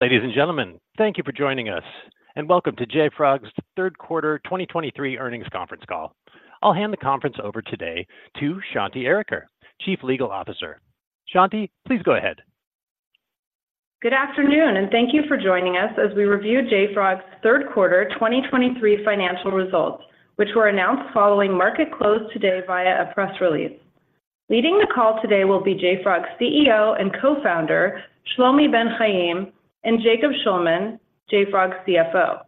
Ladies and gentlemen, thank you for joining us, and welcome to JFrog's third quarter 2023 earnings conference call. I'll hand the conference over today to Shanti Ariker, Chief Legal Officer. Shanti, please go ahead. Good afternoon, and thank you for joining us as we review JFrog's third quarter 2023 financial results, which were announced following market close today via a press release. Leading the call today will be JFrog's CEO and co-founder, Shlomi Ben Haim, and Jacob Shulman, JFrog's CFO.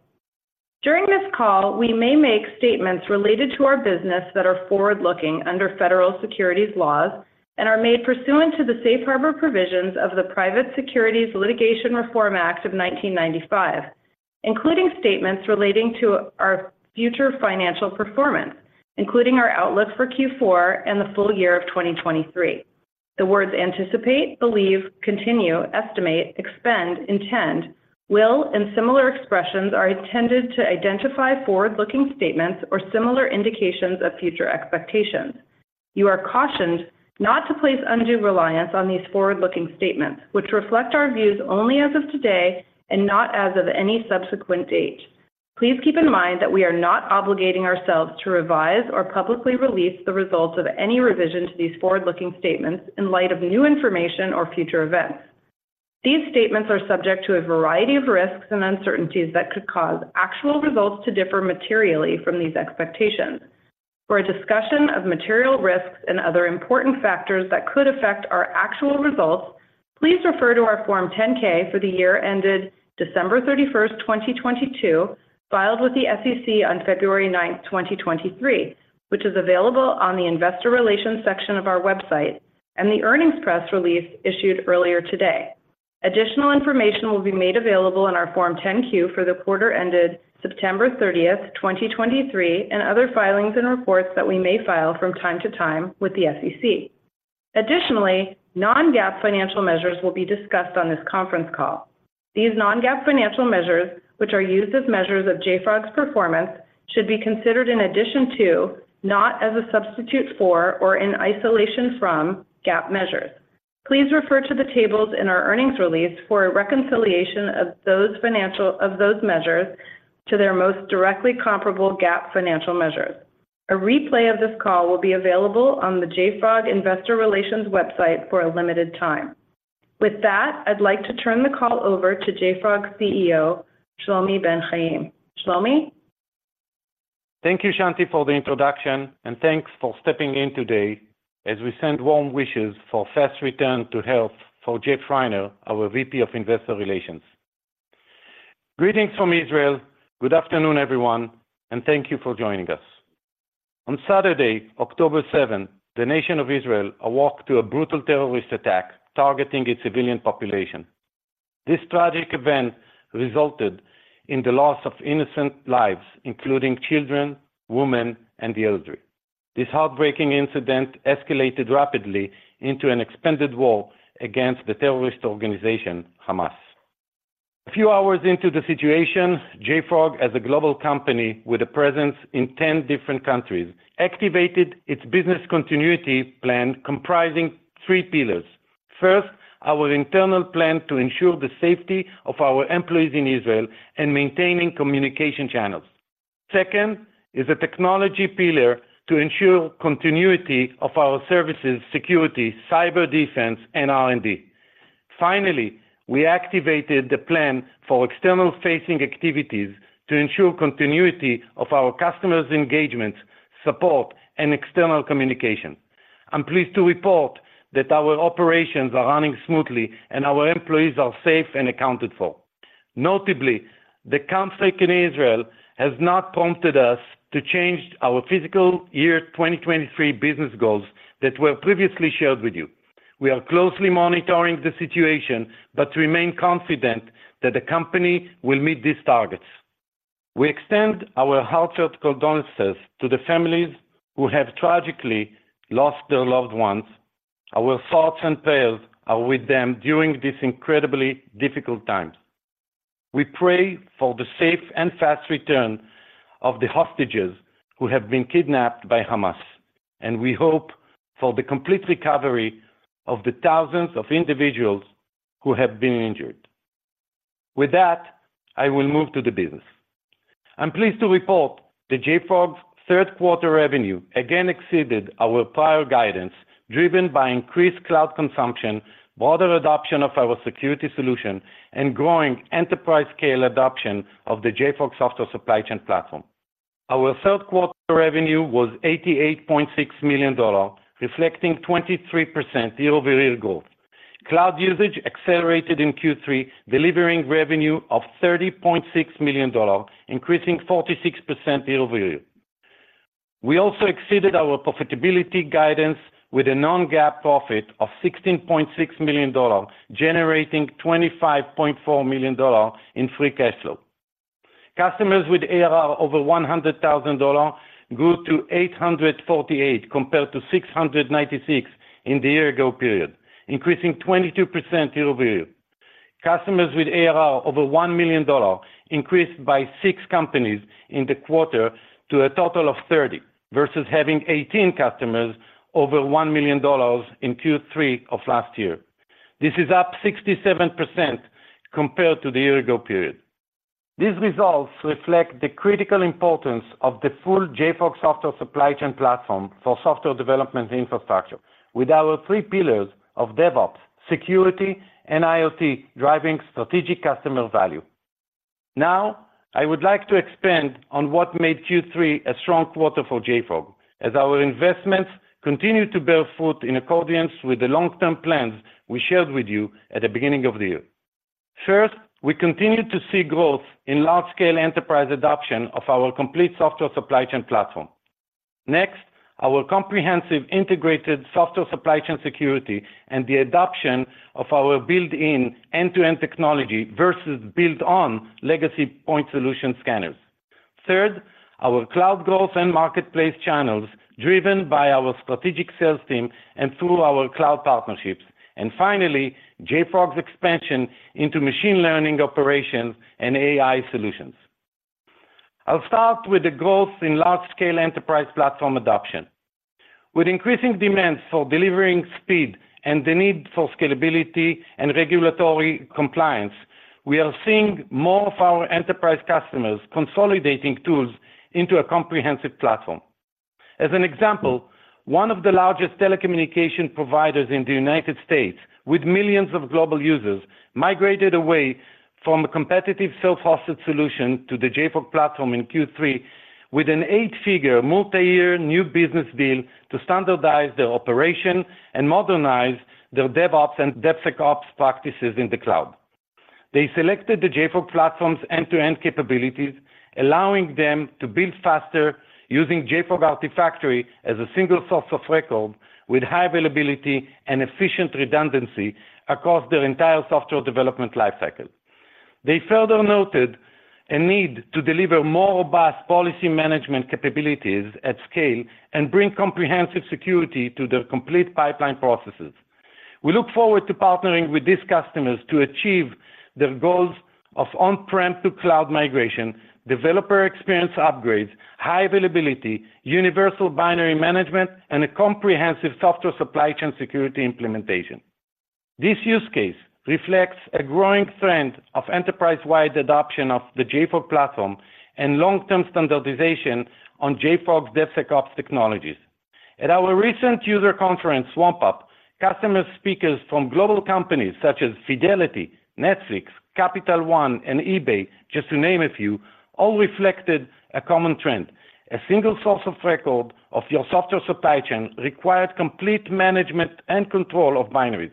During this call, we may make statements related to our business that are forward-looking under federal securities laws and are made pursuant to the Safe Harbor provisions of the Private Securities Litigation Reform Act of 1995, including statements relating to our future financial performance, including our outlook for Q4 and the full year of 2023. The words anticipate, believe, continue, estimate, expend, intend, will, and similar expressions are intended to identify forward-looking statements or similar indications of future expectations. You are cautioned not to place undue reliance on these forward-looking statements, which reflect our views only as of today and not as of any subsequent date. Please keep in mind that we are not obligating ourselves to revise or publicly release the results of any revision to these forward-looking statements in light of new information or future events. These statements are subject to a variety of risks and uncertainties that could cause actual results to differ materially from these expectations. For a discussion of material risks and other important factors that could affect our actual results, please refer to our Form 10-K for the year ended December 31, 2022, filed with the SEC on February 9, 2023, which is available on the Investor Relations section of our website and the earnings press release issued earlier today. Additional information will be made available in our Form 10-Q for the quarter ended September 30, 2023, and other filings and reports that we may file from time to time with the SEC. Additionally, non-GAAP financial measures will be discussed on this conference call. These non-GAAP financial measures, which are used as measures of JFrog's performance, should be considered in addition to, not as a substitute for or in isolation from, GAAP measures. Please refer to the tables in our earnings release for a reconciliation of those measures to their most directly comparable GAAP financial measures. A replay of this call will be available on the JFrog Investor Relations website for a limited time. With that, I'd like to turn the call over to JFrog CEO, Shlomi Ben Haim. Shlomi? Thank you, Shanti, for the introduction, and thanks for stepping in today as we send warm wishes for fast return to health for Jeff Schreiner, our VP of Investor Relations. Greetings from Israel. Good afternoon, everyone, and thank you for joining us. On Saturday, October seventh, the nation of Israel awoke to a brutal terrorist attack targeting its civilian population. This tragic event resulted in the loss of innocent lives, including children, women, and the elderly. This heartbreaking incident escalated rapidly into an expanded war against the terrorist organization, Hamas. A few hours into the situation, JFrog, as a global company with a presence in 10 different countries, activated its Business Continuity Plan comprising three pillars. First, our internal plan to ensure the safety of our employees in Israel and maintaining communication channels. Second is a technology pillar to ensure continuity of our services, security, cyber defense, and R&D. Finally, we activated the plan for external-facing activities to ensure continuity of our customers' engagement, support, and external communication. I'm pleased to report that our operations are running smoothly and our employees are safe and accounted for. Notably, the conflict in Israel has not prompted us to change our fiscal year 2023 business goals that were previously shared with you. We are closely monitoring the situation, but remain confident that the company will meet these targets. We extend our heartfelt condolences to the families who have tragically lost their loved ones. Our thoughts and prayers are with them during this incredibly difficult time. We pray for the safe and fast return of the hostages who have been kidnapped by Hamas, and we hope for the complete recovery of the thousands of individuals who have been injured. With that, I will move to the business. I'm pleased to report that JFrog's third quarter revenue again exceeded our prior guidance, driven by increased cloud consumption, broader adoption of our security solution, and growing enterprise-scale adoption of the JFrog Software Supply Chain Platform. Our third quarter revenue was $88.6 million, reflecting 23% year-over-year growth. Cloud usage accelerated in Q3, delivering revenue of $30.6 million, increasing 46% year-over-year. We also exceeded our profitability guidance with a non-GAAP profit of $16.6 million, generating $25.4 million in free cash flow. Customers with ARR over $100,000 grew to 848, compared to 696 in the year ago period, increasing 22% year-over-year. Customers with ARR over $1 million increased by 6 companies in the quarter to a total of 30, versus having 18 customers over $1 million in Q3 of last year. This is up 67% compared to the year-ago period. These results reflect the critical importance of the full JFrog software supply chain platform for software development infrastructure, with our three pillars of DevOps, security, and IoT driving strategic customer value. Now, I would like to expand on what made Q3 a strong quarter for JFrog, as our investments continue to bear fruit in accordance with the long-term plans we shared with you at the beginning of the year. First, we continue to see growth in large-scale enterprise adoption of our complete software supply chain platform. Next, our comprehensive integrated software supply chain security and the adoption of our built-in end-to-end technology versus built-on legacy point solution scanners. Third, our cloud growth and marketplace channels, driven by our strategic sales team and through our cloud partnerships. And finally, JFrog's expansion into machine learning operations and AI solutions. I'll start with the growth in large-scale enterprise platform adoption. With increasing demands for delivering speed and the need for scalability and regulatory compliance, we are seeing more of our enterprise customers consolidating tools into a comprehensive platform. As an example, one of the largest telecommunication providers in the United States, with millions of global users, migrated away from a competitive self-hosted solution to the JFrog Platform in Q3 with an eight-figure, multi-year new business deal to standardize their operation and modernize their DevOps and DevSecOps practices in the cloud. They selected the JFrog Platform's end-to-end capabilities, allowing them to build faster using JFrog Artifactory as a single source of record with high availability and efficient redundancy across their entire software development lifecycle. They further noted a need to deliver more robust policy management capabilities at scale and bring comprehensive security to their complete pipeline processes. We look forward to partnering with these customers to achieve their goals of on-prem to cloud migration, developer experience upgrades, high availability, universal binary management, and a comprehensive software supply chain security implementation. This use case reflects a growing trend of enterprise-wide adoption of the JFrog Platform and long-term standardization on JFrog's DevSecOps technologies. At our recent user conference, SwampUp, customer speakers from global companies such as Fidelity, Netflix, Capital One, and eBay, just to name a few, all reflected a common trend: a single source of record of your software supply chain required complete management and control of binaries.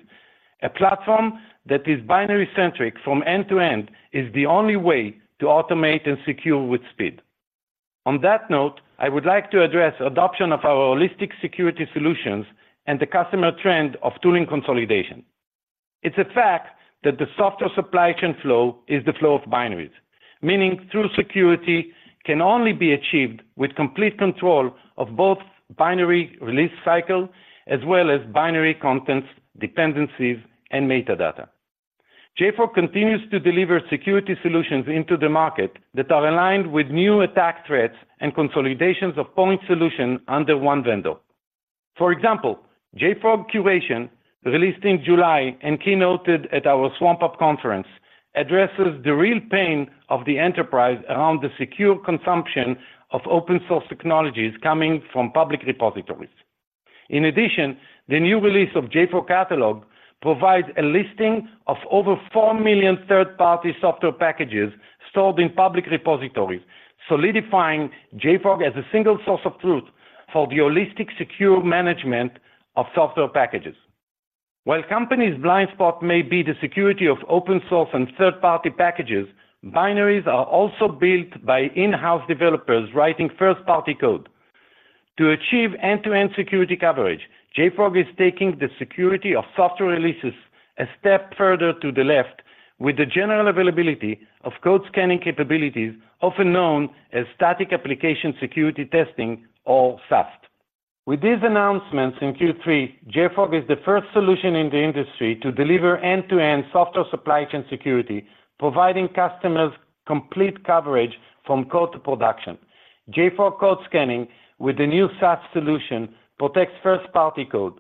A platform that is binary-centric from end to end is the only way to automate and secure with speed. On that note, I would like to address adoption of our holistic security solutions and the customer trend of tooling consolidation. It's a fact that the software supply chain flow is the flow of binaries, meaning true security can only be achieved with complete control of both binary release cycle as well as binary contents, dependencies, and metadata. JFrog continues to deliver security solutions into the market that are aligned with new attack threats and consolidations of point solution under one vendor. For example, JFrog Curation, released in July and keynoted at our SwampUp conference, addresses the real pain of the enterprise around the secure consumption of open source technologies coming from public repositories. In addition, the new release of JFrog Catalog provides a listing of over four million third-party software packages stored in public repositories, solidifying JFrog as a single source of truth for the holistic, secure management of software packages. While companies' blind spot may be the security of open source and third-party packages, binaries are also built by in-house developers writing first-party code. To achieve end-to-end security coverage, JFrog is taking the security of software releases a step further to the left with the general availability of code scanning capabilities, often known as static application security testing, or SAST. With these announcements in Q3, JFrog is the first solution in the industry to deliver end-to-end software supply chain security, providing customers complete coverage from code to production. JFrog Code Scanning with the new SAST solution protects first-party code.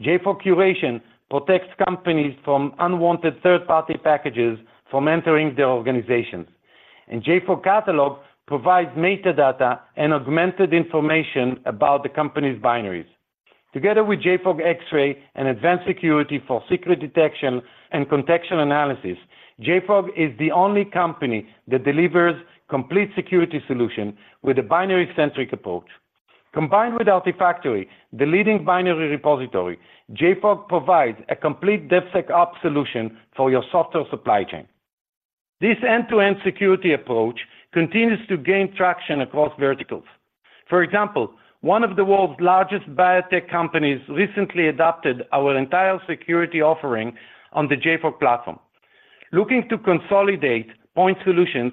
JFrog Curation protects companies from unwanted third-party packages from entering their organizations. JFrog Catalog provides metadata and augmented information about the company's binaries. Together with JFrog Xray and Advanced Security for secret detection and contextual analysis, JFrog is the only company that delivers complete security solution with a binary-centric approach. Combined with Artifactory, the leading binary repository, JFrog provides a complete DevSecOps solution for your software supply chain. This end-to-end security approach continues to gain traction across verticals. For example, one of the world's largest biotech companies recently adopted our entire security offering on the JFrog platform. Looking to consolidate point solutions,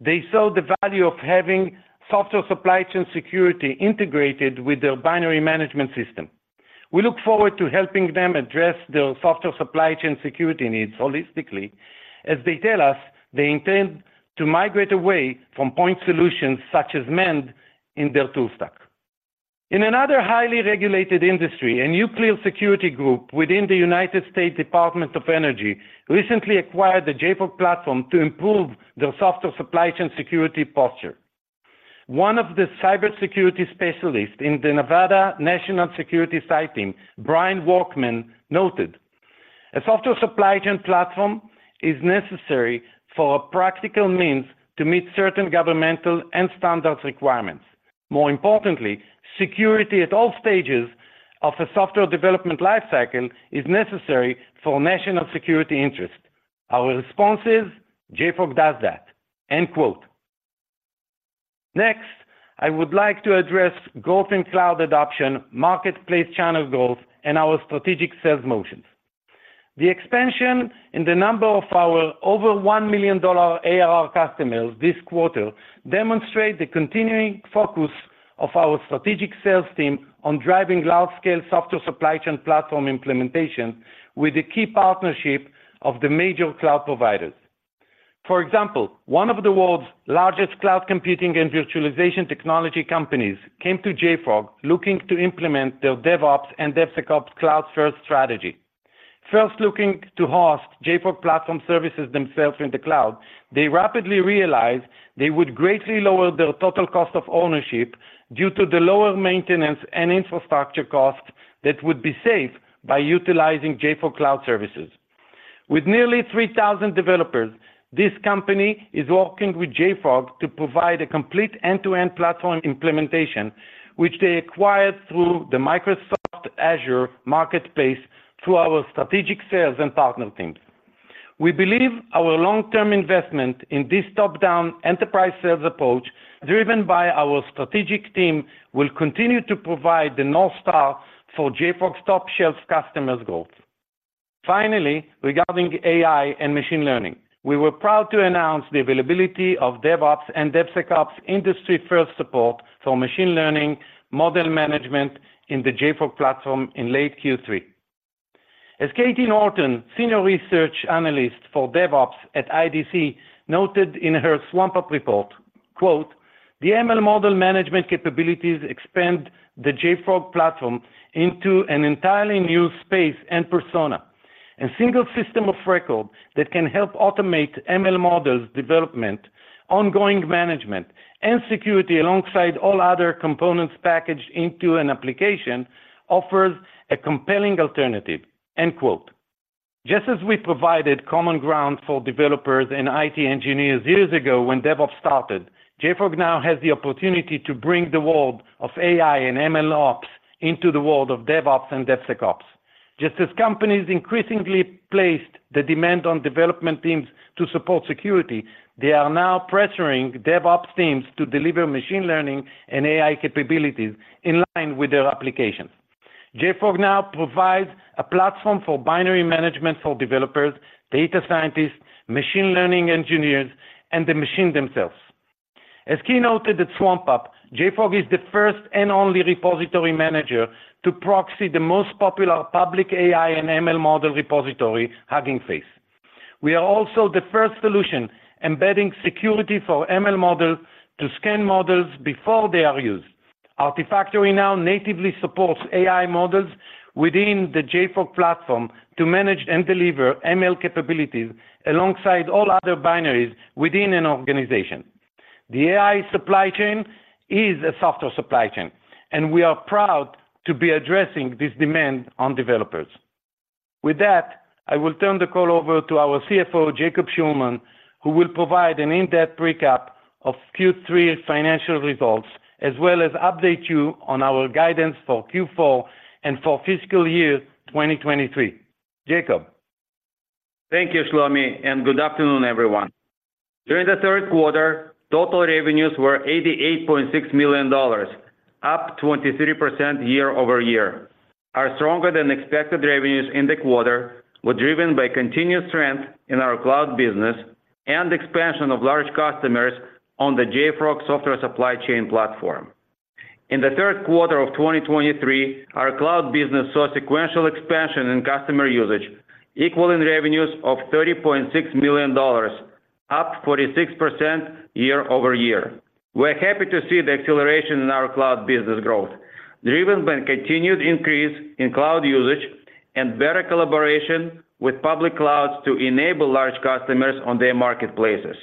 they saw the value of having software supply chain security integrated with their binary management system. We look forward to helping them address their software supply chain security needs holistically, as they tell us they intend to migrate away from point solutions such as Mend in their tool stack. In another highly regulated industry, a nuclear security group within the United States Department of Energy recently acquired the JFrog Platform to improve their software supply chain security posture. One of the cybersecurity specialists in the Nevada National Security Site team, Brian Womack, noted, "A software supply chain platform is necessary for a practical means to meet certain governmental and standards requirements. More importantly, security at all stages of a software development lifecycle is necessary for national security interest. Our response is, JFrog does that." Next, I would like to address growth in cloud adoption, marketplace channel growth, and our strategic sales motions. The expansion in the number of our over $1 million ARR customers this quarter demonstrates the continuing focus of our strategic sales team on driving large-scale software supply chain platform implementation with the key partnership of the major cloud providers. For example, one of the world's largest cloud computing and virtualization technology companies came to JFrog looking to implement their DevOps and DevSecOps cloud-first strategy. First looking to host JFrog Platform services themselves in the cloud, they rapidly realized they would greatly lower their total cost of ownership due to the lower maintenance and infrastructure costs that would be saved by utilizing JFrog Cloud Services. With nearly 3,000 developers, this company is working with JFrog to provide a complete end-to-end platform implementation, which they acquired through the Microsoft Azure marketplace, through our strategic sales and partner teams. We believe our long-term investment in this top-down enterprise sales approach, driven by our strategic team, will continue to provide the North Star for JFrog's top shelf customers growth. Finally, regarding AI and machine learning, we were proud to announce the availability of DevOps and DevSecOps industry-first support for machine learning, model management in the JFrog platform in late Q3. As Katie Norton, senior research analyst for DevOps at IDC, noted in her Swamp Up report, quote, "The ML model management capabilities expand the JFrog platform into an entirely new space and persona. A single system of record that can help automate ML models development, ongoing management, and security alongside all other components packaged into an application, offers a compelling alternative. Just as we provided common ground for developers and IT engineers years ago when DevOps started, JFrog now has the opportunity to bring the world of AI and MLOps into the world of DevOps and DevSecOps. Just as companies increasingly placed the demand on development teams to support security, they are now pressuring DevOps teams to deliver machine learning and AI capabilities in line with their applications. JFrog now provides a platform for binary management for developers, data scientists, machine learning engineers, and the machine themselves. As keynoted at Swamp Up, JFrog is the first and only repository manager to proxy the most popular public AI and ML model repository, Hugging Face. We are also the first solution embedding security for ML model to scan models before they are used. Artifactory now natively supports AI models within the JFrog platform to manage and deliver ML capabilities alongside all other binaries within an organization. The AI supply chain is a software supply chain, and we are proud to be addressing this demand on developers. With that, I will turn the call over to our CFO, Jacob Shulman, who will provide an in-depth recap of Q3 financial results, as well as update you on our guidance for Q4 and for fiscal year 2023. Jacob? Thank you, Shlomi, and good afternoon, everyone. During the third quarter, total revenues were $88.6 million, up 23% year-over-year. Our stronger-than-expected revenues in the quarter were driven by continued strength in our cloud business and expansion of large customers on the JFrog Software Supply Chain Platform. In the third quarter of 2023, our cloud business saw sequential expansion in customer usage, equaling revenues of $30.6 million, up 46% year-over-year. We're happy to see the acceleration in our cloud business growth, driven by continued increase in cloud usage and better collaboration with public clouds to enable large customers on their marketplaces.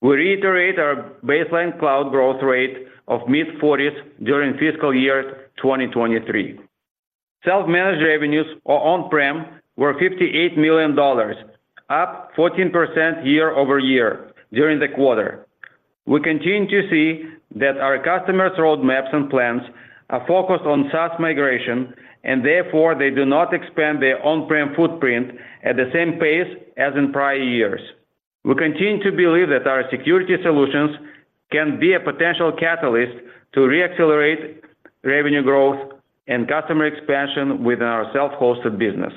We reiterate our baseline cloud growth rate of mid-40s% during fiscal year 2023. Self-managed revenues or on-prem were $58 million, up 14% year-over-year during the quarter. We continue to see that our customers' roadmaps and plans are focused on SaaS migration, and therefore they do not expand their on-prem footprint at the same pace as in prior years. We continue to believe that our security solutions can be a potential catalyst to re-accelerate revenue growth and customer expansion within our self-hosted business.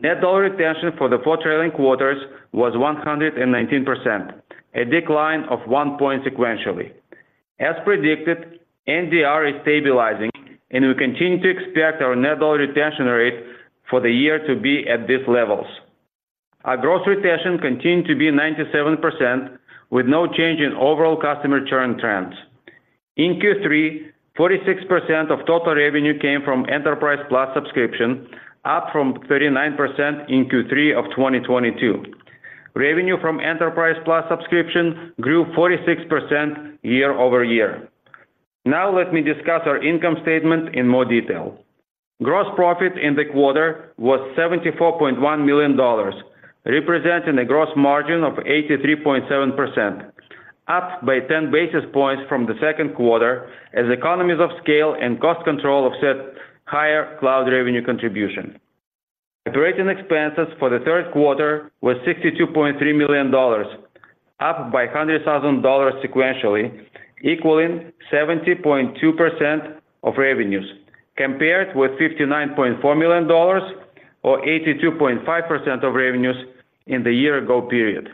Net dollar retention for the four trailing quarters was 119%, a decline of one point sequentially. As predicted, NDR is stabilizing, and we continue to expect our net dollar retention rate for the year to be at these levels. Our gross retention continued to be 97%, with no change in overall customer churn trends. In Q3, 46% of total revenue came from Enterprise Plus subscription, up from 39% in Q3 of 2022. Revenue from Enterprise Plus subscription grew 46% year-over-year. Now let me discuss our income statement in more detail. Gross profit in the quarter was $74.1 million, representing a gross margin of 83.7%, up by 10 basis points from the second quarter, as economies of scale and cost control offset higher cloud revenue contribution. Operating expenses for the third quarter was $62.3 million, up by $100,000 sequentially, equaling 70.2% of revenues, compared with $59.4 million or 82.5% of revenues in the year ago period.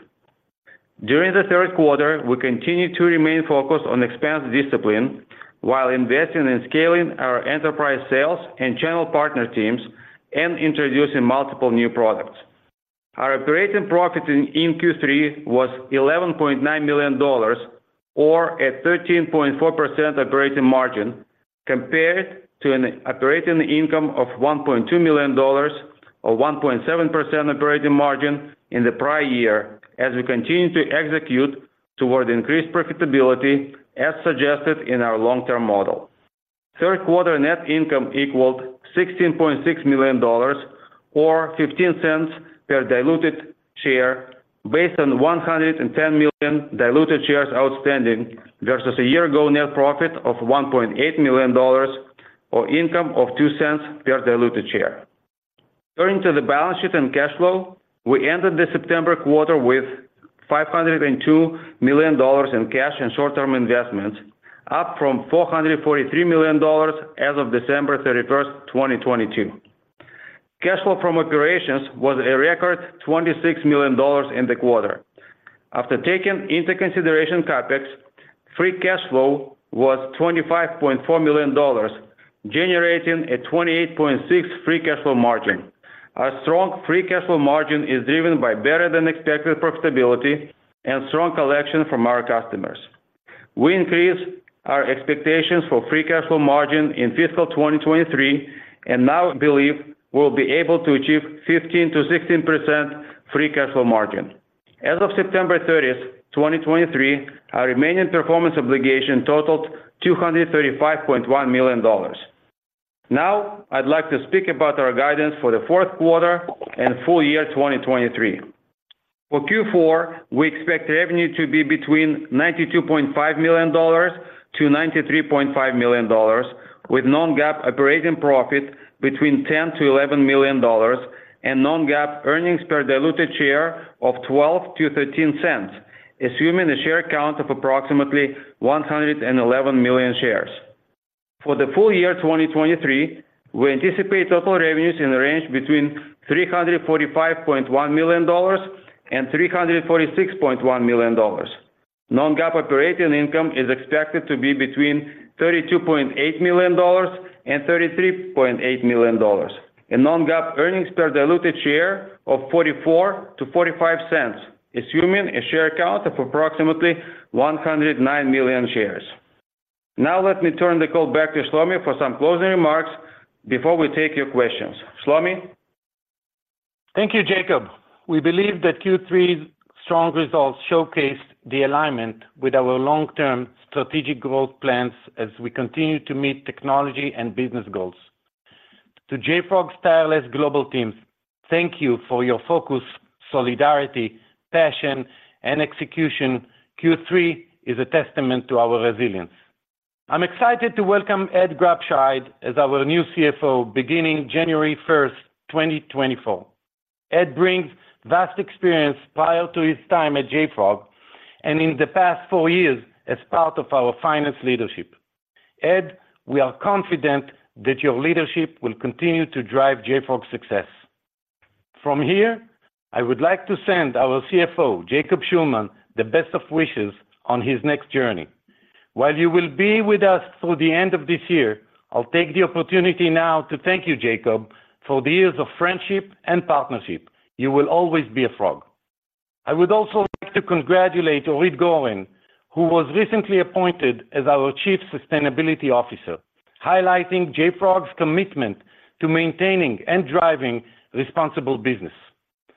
During the third quarter, we continued to remain focused on expense discipline while investing in scaling our enterprise sales and channel partner teams and introducing multiple new products. Our operating profit in Q3 was $11.9 million or a 13.4% operating margin, compared to an operating income of $1.2 million or 1.7% operating margin in the prior year, as we continue to execute toward increased profitability, as suggested in our long-term model. Third quarter net income equaled $16.6 million or $0.15 per diluted share, based on 110 million diluted shares outstanding, versus a year ago net profit of $1.8 million, or income of $0.02 per diluted share. Turning to the balance sheet and cash flow, we ended the September quarter with $502 million in cash and short-term investments, up from $443 million as of December 31, 2022. Cash flow from operations was a record $26 million in the quarter. After taking into consideration CapEx, free cash flow was $25.4 million, generating a 28.6% free cash flow margin. Our strong free cash flow margin is driven by better-than-expected profitability and strong collection from our customers. We increased our expectations for free cash flow margin in fiscal 2023 and now believe we'll be able to achieve 15%-16% free cash flow margin. As of September 30, 2023, our remaining performance obligation totaled $235.1 million. Now, I'd like to speak about our guidance for the fourth quarter and full year 2023. For Q4, we expect revenue to be between $92.5 million-$93.5 million, with non-GAAP operating profit between $10 million-$11 million and non-GAAP earnings per diluted share of $0.12-$0.13, assuming a share count of approximately 111 million shares. For the full year 2023, we anticipate total revenues in the range between $345.1 million and $346.1 million. Non-GAAP operating income is expected to be between $32.8 million and $33.8 million, and non-GAAP earnings per diluted share of $0.44-$0.45, assuming a share count of approximately 109 million shares. Now let me turn the call back to Shlomi for some closing remarks before we take your questions. Shlomi? Thank you, Jacob. We believe that Q3's strong results showcased the alignment with our long-term strategic growth plans as we continue to meet technology and business goals. To JFrog's tireless global teams, thank you for your focus, solidarity, passion, and execution. Q3 is a testament to our resilience. I'm excited to welcome Ed Grabscheid as our new CFO beginning January 1, 2024. Ed brings vast experience prior to his time at JFrog and in the past four years as part of our finance leadership. Ed, we are confident that your leadership will continue to drive JFrog's success. From here, I would like to send our CFO, Jacob Shulman, the best of wishes on his next journey. While you will be with us through the end of this year, I'll take the opportunity now to thank you, Jacob, for the years of friendship and partnership. You will always be a Frog. I would also like to congratulate Orit Goren, who was recently appointed as our Chief Sustainability Officer, highlighting JFrog's commitment to maintaining and driving responsible business.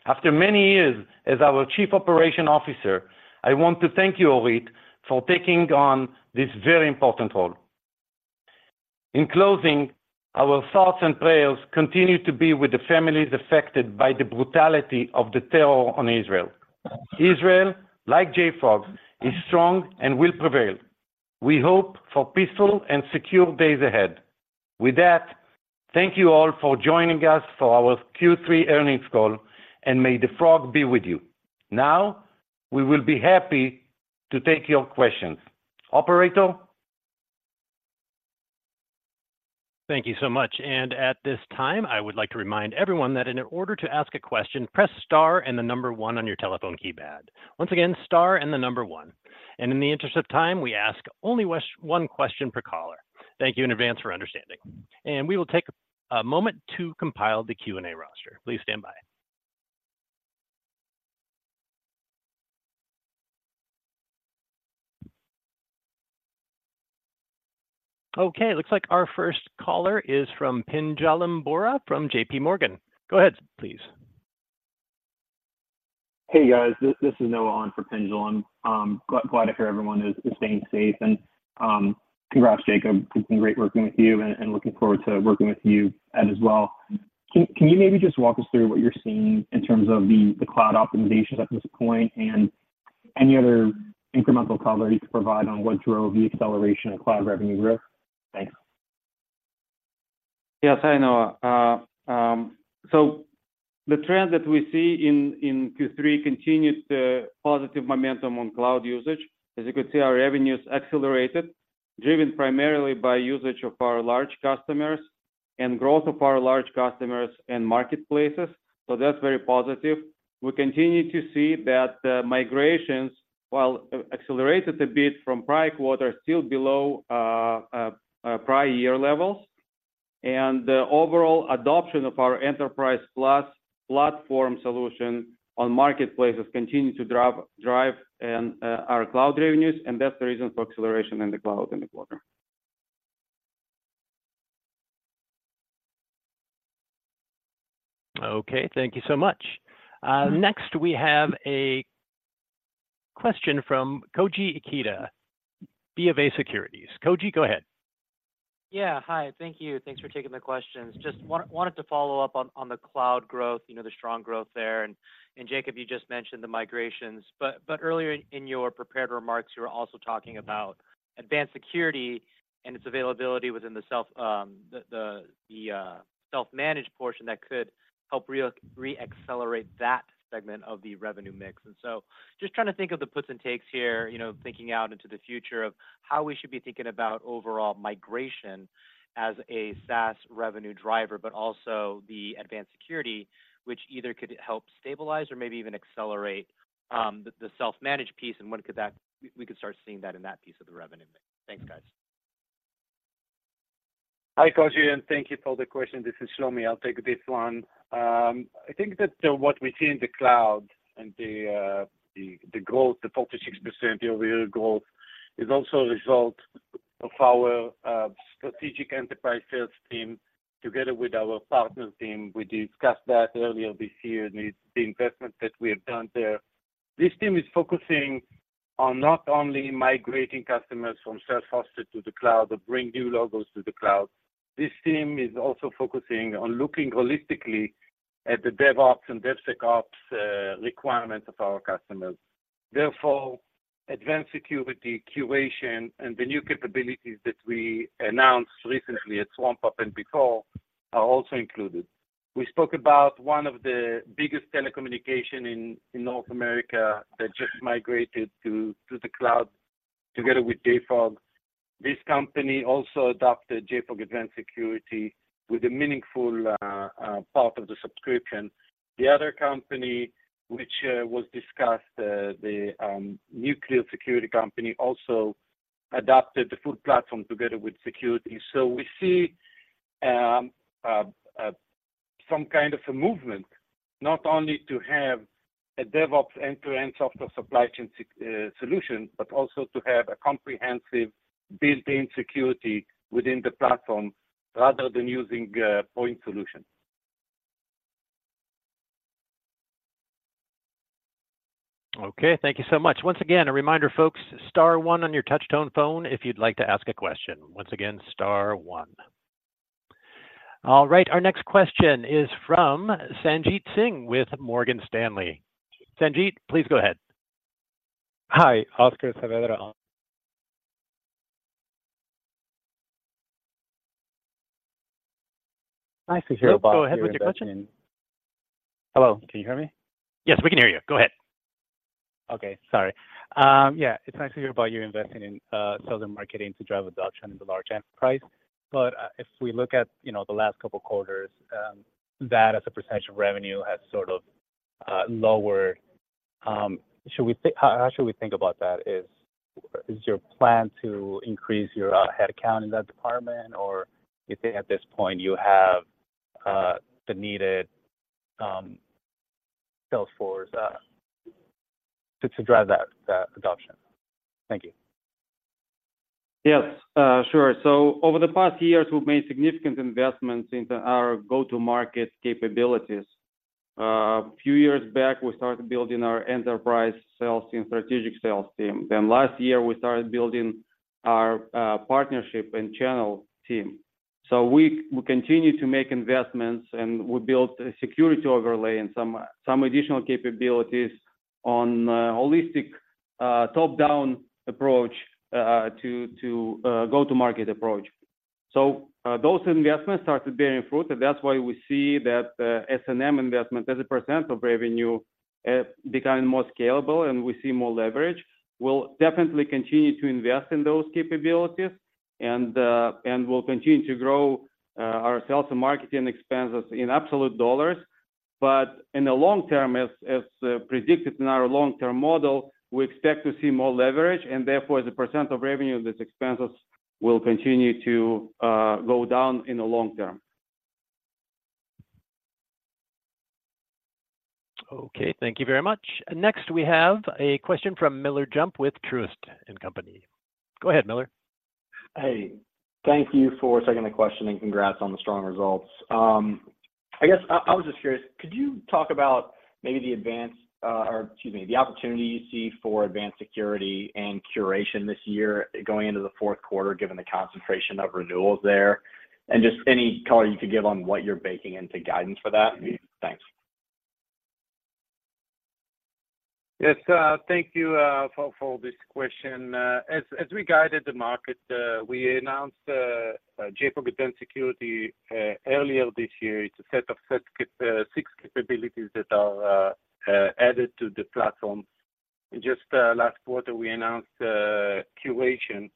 After many years as our Chief Operating Officer, I want to thank you, Orit, for taking on this very important role. In closing, our thoughts and prayers continue to be with the families affected by the brutality of the terror on Israel. Israel, like JFrog, is strong and will prevail. We hope for peaceful and secure days ahead. With that, thank you all for joining us for our Q3 earnings call, and may the Frog be with you. Now, we will be happy to take your questions. Operator? Thank you so much. At this time, I would like to remind everyone that in order to ask a question, press star and the number one on your telephone keypad. Once again, star and the number one.... And in the interest of time, we ask only one question per caller. Thank you in advance for understanding. And we will take a moment to compile the Q&A roster. Please stand by. Okay, looks like our first caller is from Pinjalim Bora from J.P. Morgan. Go ahead, please. Hey, guys. This is Noah on for Pinjalim, and glad to hear everyone is staying safe. Congrats, Jacob. It's been great working with you and looking forward to working with you as well. Can you maybe just walk us through what you're seeing in terms of the cloud optimization at this point and any other incremental color you could provide on what drove the acceleration of cloud revenue growth? Thanks. Yes, hi, Noah. So the trend that we see in Q3 continues the positive momentum on cloud usage. As you can see, our revenues accelerated, driven primarily by usage of our large customers and growth of our large customers and marketplaces, so that's very positive. We continue to see that migrations, while accelerated a bit from prior quarter, are still below prior year levels. And the overall adoption of our enterprise plus platform solution on marketplaces continue to drive and our cloud revenues, and that's the reason for acceleration in the cloud in the quarter. Okay, thank you so much. Next, we have a question from Koji Ikeda, BofA Securities. Koji, go ahead. Yeah. Hi, thank you. Thanks for taking the questions. Just wanted to follow up on the cloud growth, you know, the strong growth there. And Jacob, you just mentioned the migrations, but earlier in your prepared remarks, you were also talking about Advanced Security and its availability within the self-managed portion that could help re-accelerate that segment of the revenue mix. And so just trying to think of the puts and takes here, you know, thinking out into the future of how we should be thinking about overall migration as a SaaS revenue driver, but also the Advanced Security, which either could help stabilize or maybe even accelerate the self-managed piece, and when we could start seeing that in that piece of the revenue mix. Thanks, guys. Hi, Koji, and thank you for the question. This is Shlomi. I'll take this one. I think that what we see in the cloud and the growth, the 46% year-over-year growth, is also a result of our strategic enterprise sales team, together with our partner team. We discussed that earlier this year, and it's the investment that we have done there. This team is focusing on not only migrating customers from self-hosted to the cloud or bring new logos to the cloud, this team is also focusing on looking holistically at the DevOps and DevSecOps requirements of our customers. Therefore, Advanced Security, Curation, and the new capabilities that we announced recently at Swamp Up and before are also included. We spoke about one of the biggest telecommunications in North America that just migrated to the cloud together with JFrog. This company also adopted JFrog Advanced Security with a meaningful part of the subscription. The other company, which was discussed, the nuclear security company, also adopted the full platform together with security. So we see some kind of a movement, not only to have a DevOps end-to-end software supply chain security solution, but also to have a comprehensive built-in security within the platform rather than using point solution. Okay, thank you so much. Once again, a reminder, folks, star one on your touch tone phone if you'd like to ask a question. Once again, star one. All right, our next question is from Sanjit Singh with Morgan Stanley. Sanjit, please go ahead. Hi, Oscar Saavedra on. Nice to hear about- Go ahead with your question. Hello, can you hear me? Yes, we can hear you. Go ahead. Okay, sorry. Yeah, it's nice to hear about your investing in sales and marketing to drive adoption in the large enterprise. But if we look at, you know, the last couple quarters, that as a percentage of revenue has sort of lowered. Should we think—how should we think about that? Is your plan to increase your head count in that department, or you think at this point you have the needed salesforce to drive that adoption? Thank you. Yes, sure. So over the past years, we've made significant investments into our go-to-market capabilities. Few years back, we started building our enterprise sales team, strategic sales team. Then last year, we started building our partnership and channel team. So we continue to make investments, and we built a security overlay and some additional capabilities on a holistic top-down approach to go-to-market approach. So those investments started bearing fruit, and that's why we see that S&M investment, as a percent of revenue, becoming more scalable, and we see more leverage. We'll definitely continue to invest in those capabilities, and we'll continue to grow our sales and marketing expenses in absolute dollars. In the long term, as predicted in our long-term model, we expect to see more leverage, and therefore, the percent of revenue that's expenses will continue to go down in the long term. Okay, thank you very much. Next, we have a question from Miller Jump with Truist Securities. Go ahead, Miller. Hey, thank you for taking the question, and congrats on the strong results. I guess I was just curious, could you talk about maybe the advance, or excuse me, the opportunity you see for Advanced Security and Curation this year going into the fourth quarter, given the concentration of renewals there? And just any color you could give on what you're baking into guidance for that. Thanks. Yes, thank you for this question. As we guided the market, we announced JFrog Advanced Security earlier this year. It's a set of six capabilities that are added to the platform. Just last quarter, we announced Curation,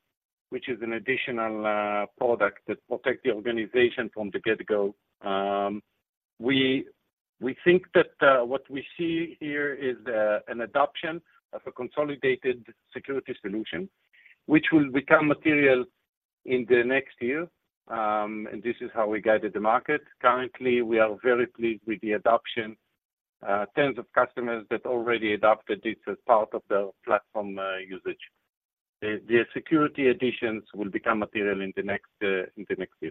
which is an additional product that protects the organization from the get-go. We think that what we see here is an adoption of a consolidated security solution, which will become material in the next year. This is how we guided the market. Currently, we are very pleased with the adoption, tens of customers that already adopted this as part of the platform usage. The security additions will become material in the next year.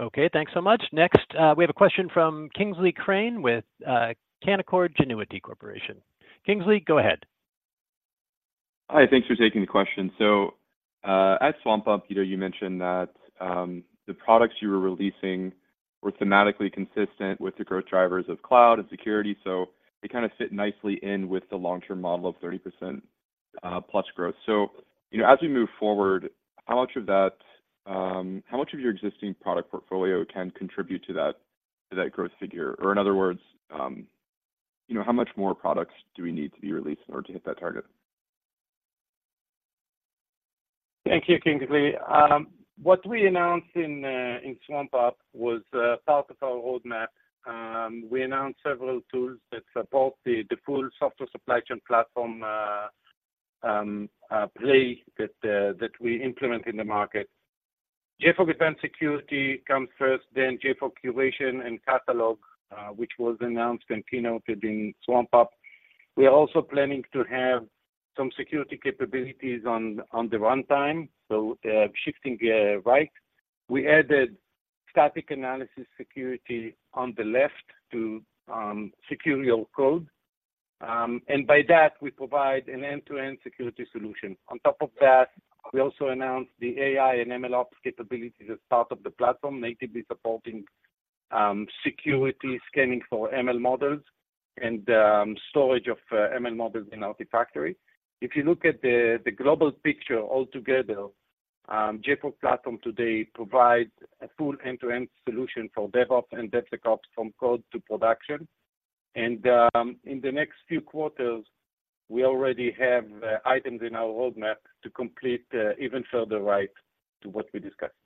Okay, thanks so much. Next, we have a question from Kingsley Crane with Canaccord Genuity Corporation. Kingsley, go ahead. Hi, thanks for taking the question. So, at Swamp Up, Peter, you mentioned that the products you were releasing were thematically consistent with the growth drivers of cloud and security, so they kinda fit nicely in with the long-term model of 30% plus growth. So, you know, as we move forward, how much of that, how much of your existing product portfolio can contribute to that, to that growth figure? Or in other words, you know, how much more products do we need to be released in order to hit that target? Thank you, Kingsley. What we announced in Swamp Up was part of our roadmap. We announced several tools that support the full software supply chain platform play that we implement in the market. JFrog Advanced Security comes first, then JFrog Curation and Catalog, which was announced and keynoted in Swamp Up. We are also planning to have some security capabilities on the runtime, so shifting right. We added static analysis security on the left to secure your code. And by that, we provide an end-to-end security solution. On top of that, we also announced the AI and MLOps capabilities as part of the platform, natively supporting security scanning for ML models and storage of ML models in Artifactory. If you look at the global picture altogether, JFrog Platform today provides a full end-to-end solution for DevOps and DevSecOps from code to production. And in the next few quarters, we already have items in our roadmap to complete even further right to what we discussed.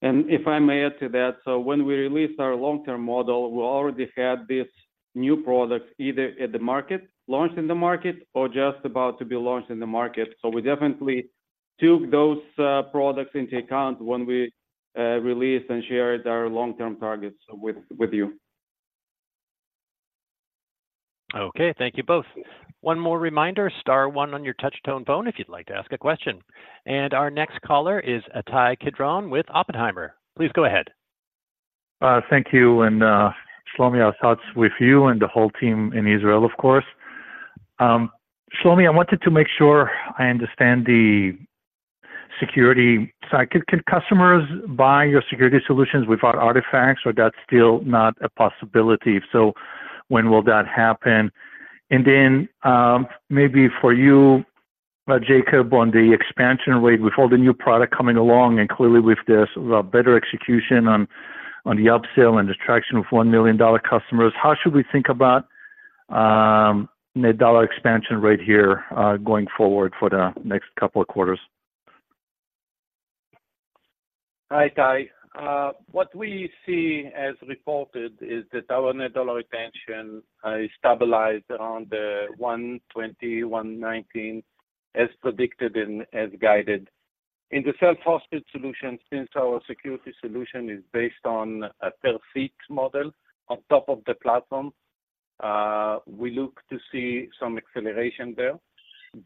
And if I may add to that, so when we released our long-term model, we already had this new products either at the market, launched in the market, or just about to be launched in the market. So we definitely took those, products into account when we, released and shared our long-term targets with you. Okay, thank you both. One more reminder, star one on your touch tone phone if you'd like to ask a question. And our next caller is Ittai Kidron with Oppenheimer. Please go ahead. Thank you, and Shlomi, our thoughts with you and the whole team in Israel, of course. Shlomi, I wanted to make sure I understand the security side. Could customers buy your security solutions without artifacts, or that's still not a possibility? If so, when will that happen? And then, maybe for you, Jacob, on the expansion rate, with all the new product coming along and clearly with this better execution on the up-sale and the traction of $1 million customers, how should we think about net dollar expansion rate here going forward for the next couple of quarters? Hi, Ittai. What we see as reported is that our net dollar retention is stabilized around the 120, 119, as predicted and as guided. In the self-hosted solution, since our security solution is based on a per-seat model on top of the platform, we look to see some acceleration there,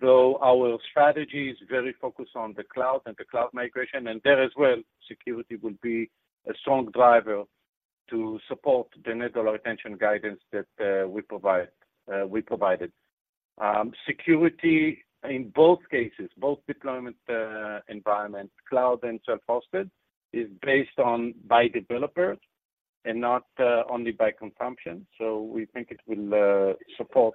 though our strategy is very focused on the cloud and the cloud migration, and there as well, security will be a strong driver to support the net dollar retention guidance that we provide, we provided. Security in both cases, both deployment environment, cloud and self-hosted, is based on by developers and not only by consumption, so we think it will support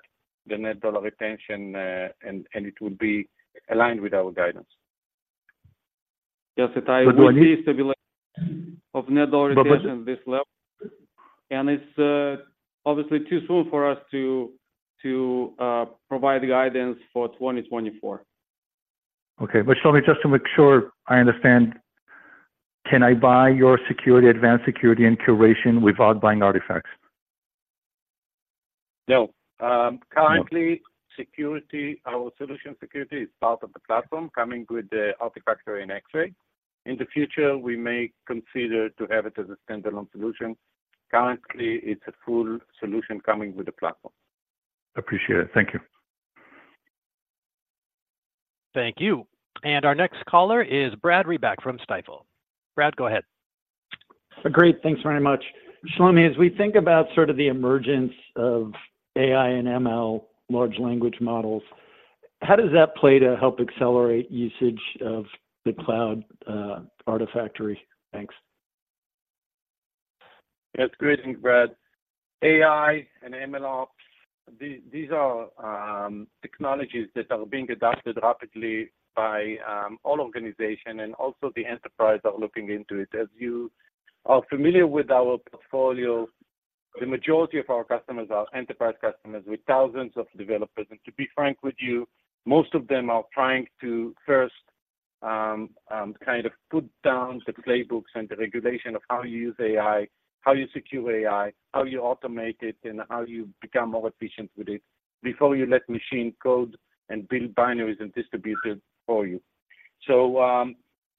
the net dollar retention, and it will be aligned with our guidance. Yes, Ittai, will be stabilized-... of net dollar retention this level, and it's obviously too soon for us to provide the guidance for 2024. Okay. But Shlomi, just to make sure I understand, can I buy your Security, Advanced Security, and Curation without buying Artifactory? No. Currently, security, our solution security is part of the platform coming with the Artifactory and Xray. In the future, we may consider to have it as a standalone solution. Currently, it's a full solution coming with the platform. Appreciate it. Thank you. Thank you. And our next caller is Brad Reback from Stifel. Brad, go ahead. Great. Thanks very much. Shlomi, as we think about sort of the emergence of AI and ML, large language models, how does that play to help accelerate usage of the cloud, Artifactory? Thanks. Yes, great. Thank you, Brad. AI and MLOps, these are technologies that are being adopted rapidly by all organization and also the enterprise are looking into it. As you are familiar with our portfolio, the majority of our customers are enterprise customers with thousands of developers. And to be frank with you, most of them are trying to first kind of put down the playbooks and the regulation of how you use AI, how you secure AI, how you automate it, and how you become more efficient with it, before you let machine code and build binaries and distribute it for you. So,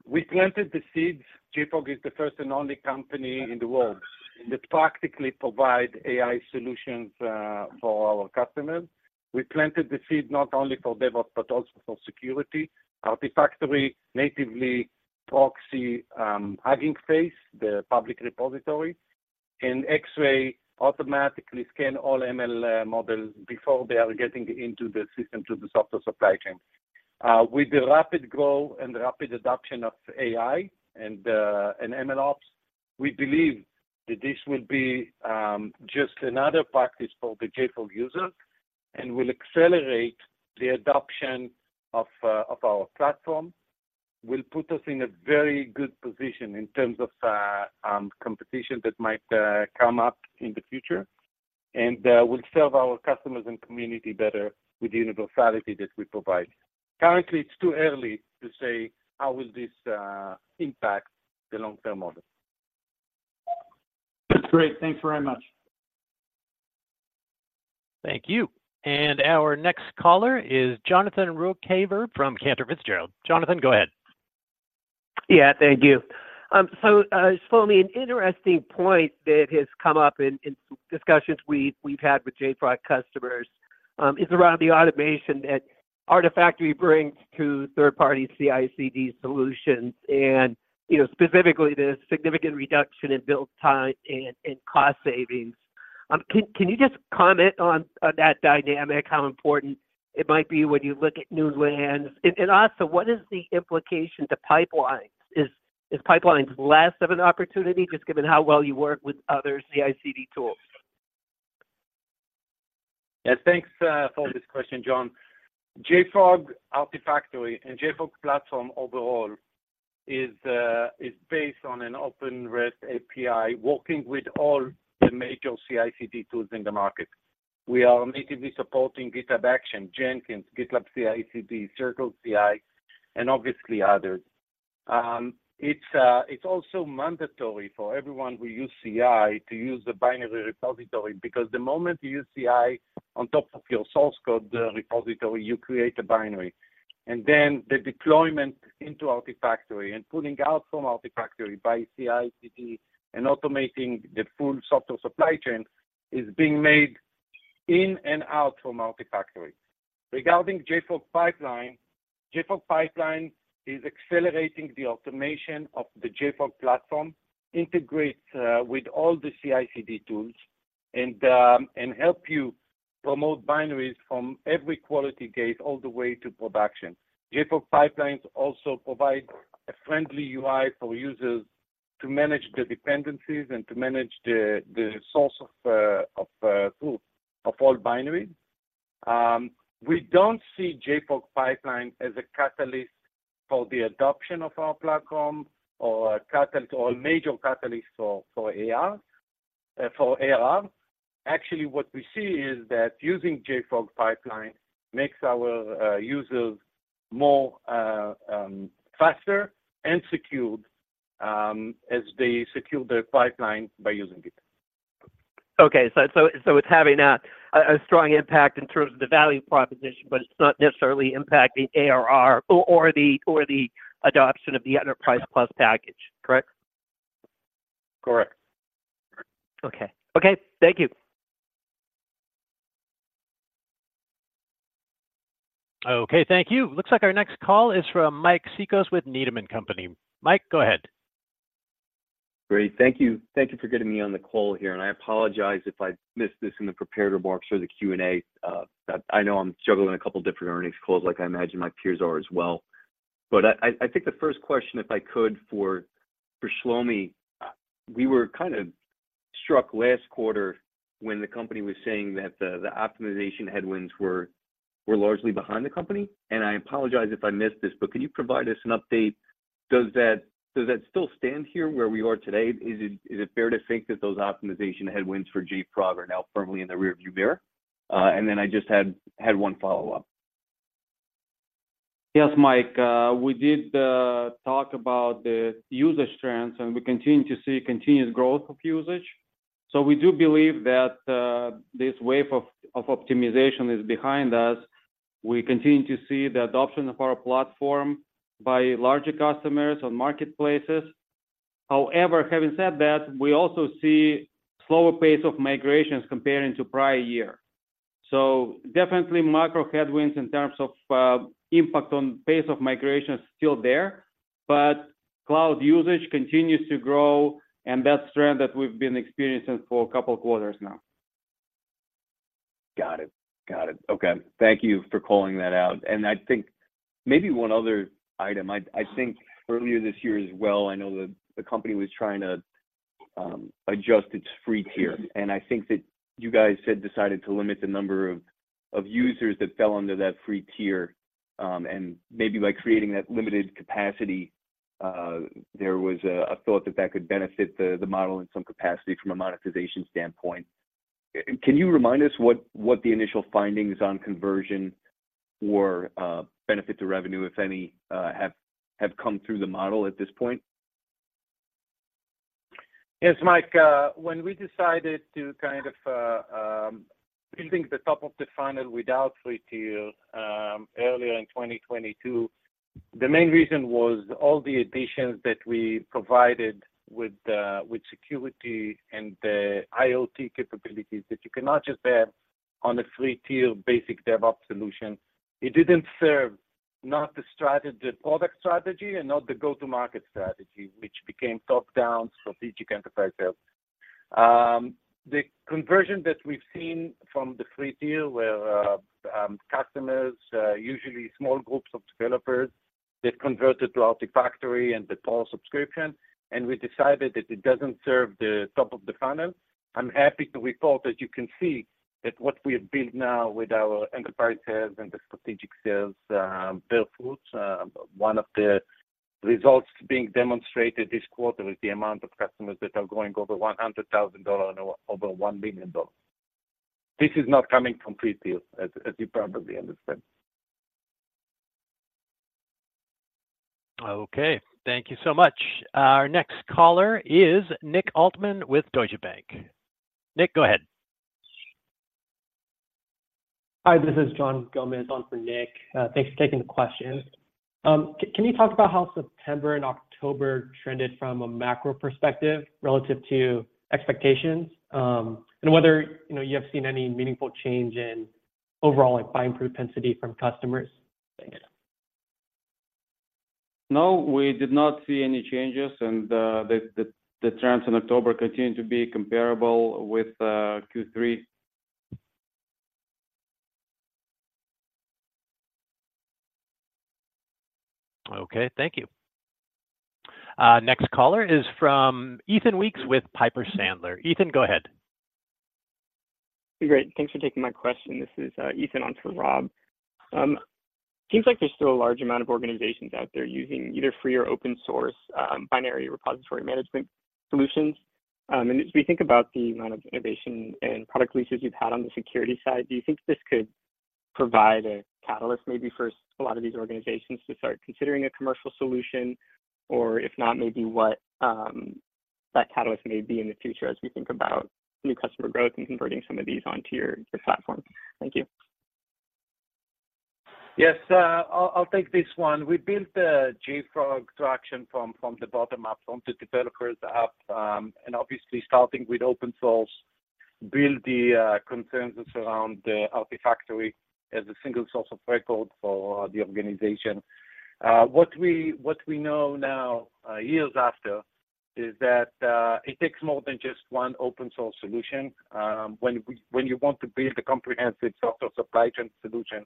we planted the seeds. JFrog is the first and only company in the world that practically provide AI solutions for our customers. We planted the seed not only for DevOps, but also for security. Artifactory natively proxy Hugging Face, the public repository, and Xray automatically scan all ML models before they are getting into the system, to the software supply chain. With the rapid growth and rapid adoption of AI and MLOps, we believe that this will be just another practice for the JFrog users and will accelerate the adoption of our platform. Will put us in a very good position in terms of competition that might come up in the future, and will serve our customers and community better with the universality that we provide. Currently, it's too early to say how will this impact the long-term model. That's great. Thanks very much. Thank you. And our next caller is Jonathan Ruykhaver from Cantor Fitzgerald. Jonathan, go ahead. Yeah, thank you. So, Shlomi, an interesting point that has come up in discussions we've had with JFrog customers is around the automation that Artifactory brings to third-party CI/CD solutions, and, you know, specifically the significant reduction in build time and cost savings. Can you just comment on that dynamic, how important it might be when you look at new lands? And also, what is the implication to pipelines? Is pipelines less of an opportunity, just given how well you work with other CI/CD tools? Yes. Thanks for this question, John. JFrog Artifactory and JFrog Platform overall is based on an open REST API, working with all the major CI/CD tools in the market. We are natively supporting GitHub Actions, Jenkins, GitLab CI/CD, CircleCI, and obviously others. It's also mandatory for everyone who use CI to use the binary repository, because the moment you use CI on top of your source code repository, you create a binary, and then the deployment into Artifactory and pulling out from Artifactory by CI/CD and automating the full software supply chain is being made in and out from Artifactory. Regarding JFrog Pipelines, JFrog Pipelines is accelerating the automation of the JFrog Platform, integrates with all the CI/CD tools, and help you promote binaries from every quality gate all the way to production. JFrog Pipelines also provide a friendly UI for users to manage the dependencies and to manage the source of all binaries. We don't see JFrog Pipeline as a catalyst for the adoption of our platform or a catalyst or a major catalyst for ARR. Actually, what we see is that using JFrog Pipeline makes our users more faster and secured as they secure their pipeline by using it. Okay, so it's having a strong impact in terms of the value proposition, but it's not necessarily impacting ARR or the adoption of the Enterprise Plus package, correct? Correct. Okay. Okay, thank you. Okay, thank you. Looks like our next call is from Mike Cikos with Needham & Company. Mike, go ahead. Great. Thank you. Thank you for getting me on the call here, and I apologize if I missed this in the prepared remarks or the Q&A. I know I'm juggling a couple different earnings calls, like I imagine my peers are as well. But I think the first question, if I could, for Shlomi, we were struck last quarter when the company was saying that the optimization headwinds were largely behind the company. And I apologize if I missed this, but can you provide us an update? Does that still stand here where we are today? Is it fair to think that those optimization headwinds for JFrog are now firmly in the rearview mirror? And then I just had one follow-up. Yes, Mike, we did talk about the usage trends, and we continue to see continuous growth of usage. So we do believe that this wave of optimization is behind us. We continue to see the adoption of our platform by larger customers on marketplaces. However, having said that, we also see slower pace of migrations comparing to prior year. So definitely macro headwinds in terms of impact on pace of migration is still there, but cloud usage continues to grow, and that's trend that we've been experiencing for a couple quarters now. Got it. Got it. Okay. Thank you for calling that out. And I think maybe one other item. I think earlier this year as well, I know the company was trying to adjust its free tier, and I think that you guys had decided to limit the number of users that fell under that free tier. And maybe by creating that limited capacity, there was a thought that that could benefit the model in some capacity from a monetization standpoint. Can you remind us what the initial findings on conversion or benefit to revenue, if any, have come through the model at this point? Yes, Mike, when we decided to kind of building the top of the funnel without free tier, earlier in 2022, the main reason was all the additions that we provided with, with security and the IoT capabilities that you cannot just have on a free tier basic DevOps solution. It didn't serve, not the strategy, the product strategy, and not the go-to-market strategy, which became top-down strategic enterprise sales. The conversion that we've seen from the free tier, where customers usually small groups of developers that converted to Artifactory and the paid subscription, and we decided that it doesn't serve the top of the funnel. I'm happy to report that you can see that what we have built now with our enterprise sales and the strategic sales bear fruits. One of the results being demonstrated this quarter is the amount of customers that are going over $100,000 and over $1 million. This is not coming from free tier, as you probably understand. Okay, thank you so much. Our next caller is Nick Altman with Deutsche Bank. Nick, go ahead. Hi, this is John Gomez on for Nick. Thanks for taking the question. Can you talk about how September and October trended from a macro perspective relative to expectations, and whether, you know, you have seen any meaningful change in overall, like, buying propensity from customers? Thanks. No, we did not see any changes, and the trends in October continue to be comparable with Q3. Okay, thank you. Next caller is from Ethan Weeks with Piper Sandler. Ethan, go ahead. Great. Thanks for taking my question. This is, Ethan on for Rob. Seems like there's still a large amount of organizations out there using either free or open source binary repository management solutions. And as we think about the amount of innovation and product releases you've had on the security side, do you think this could provide a catalyst maybe for a lot of these organizations to start considering a commercial solution? Or if not, maybe what that catalyst may be in the future as we think about new customer growth and converting some of these onto your, your platform. Thank you. Yes, I'll take this one. We built the JFrog extraction from the bottom up, from the developers up, and obviously starting with open source, build the consensus around the Artifactory as a single source of record for the organization. What we know now, years after, is that it takes more than just one open source solution. When you want to build a comprehensive software supply chain solution,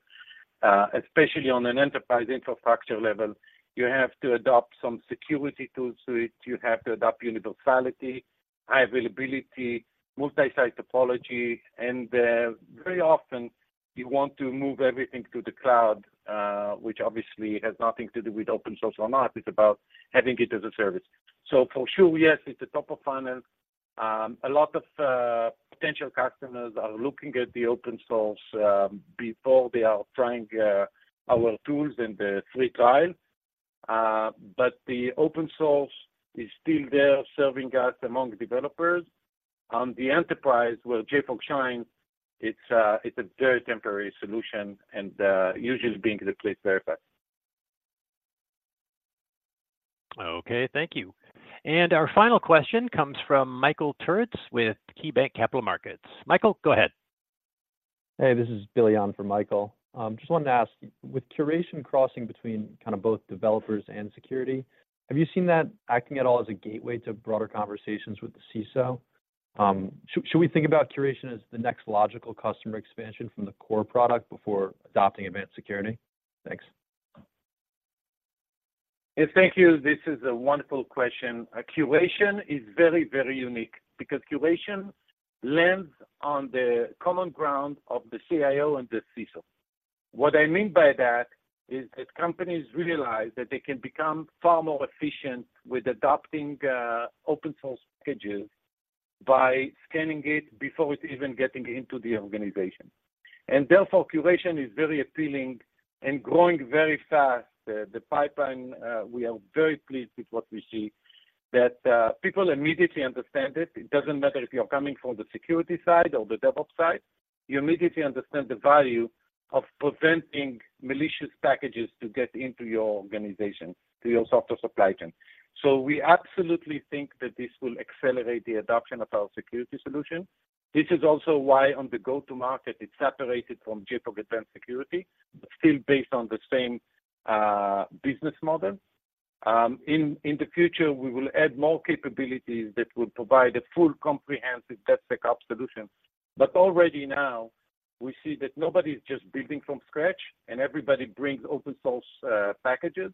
especially on an enterprise infrastructure level, you have to adopt some security tools to it. You have to adopt universality, high availability, multi-site topology, and very often you want to move everything to the cloud, which obviously has nothing to do with open source or not. It's about having it as a service. For sure, yes, it's a top of funnel. A lot of potential customers are looking at the open source before they are trying our tools in the free trial. But the open source is still there, serving us among developers. On the enterprise, where JFrog shines, it's a very temporary solution and usually being replaced very fast. Okay, thank you. Our final question comes from Michael Turits with KeyBank Capital Markets. Michael, go ahead. Hey, this is Billy on for Michael. Just wanted to ask, with Curation crossing between kind of both developers and security, have you seen that acting at all as a gateway to broader conversations with the CISO? Should, should we think about Curation as the next logical customer expansion from the core product before adopting Advanced Security? Thanks.... Yes, thank you. This is a wonderful question. Curation is very, very unique because Curation lands on the common ground of the CIO and the CISO. What I mean by that is that companies realize that they can become far more efficient with adopting open source packages by scanning it before it's even getting into the organization. And therefore, Curation is very appealing and growing very fast. The pipeline, we are very pleased with what we see, that people immediately understand it. It doesn't matter if you're coming from the security side or the DevOps side, you immediately understand the value of preventing malicious packages to get into your organization, to your software supply chain. So we absolutely think that this will accelerate the adoption of our security solution. This is also why on the go-to-market, it's separated from JFrog Advanced Security, but still based on the same, business model. In the future, we will add more capabilities that will provide a full, comprehensive DevSecOps solution. But already now, we see that nobody's just building from scratch, and everybody brings open source, packages,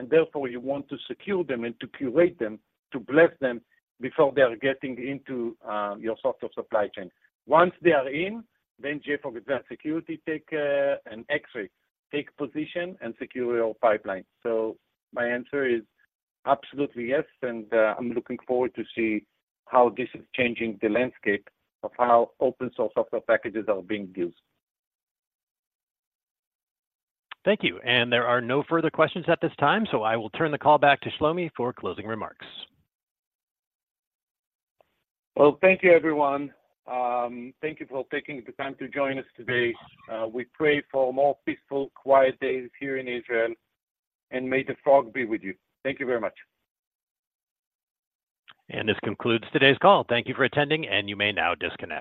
and therefore, you want to secure them and to curate them, to bless them before they are getting into, your software supply chain. Once they are in, then JFrog Advanced Security take, an Xray, take position, and secure your pipeline. So my answer is absolutely yes, and, I'm looking forward to see how this is changing the landscape of how open source software packages are being used. Thank you. And there are no further questions at this time, so I will turn the call back to Shlomi for closing remarks. Well, thank you, everyone. Thank you for taking the time to join us today. We pray for more peaceful, quiet days here in Israel, and may the Frog be with you. Thank you very much. This concludes today's call. Thank you for attending, and you may now disconnect.